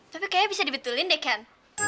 tapi kayaknya bisa dibetulin deh kan